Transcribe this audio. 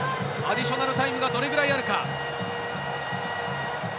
アディショナルタイムがどれくらいあるか。